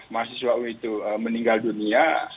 mahasiswa ui itu meninggal dunia